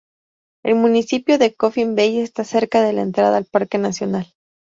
El municipio de Coffin Bay está cerca de la entrada al Parque Nacional.